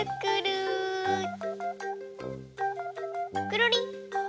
くるりん。